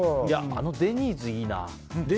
あのデニーズいいな。